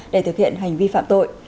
để thực hiện hành vi phạm tội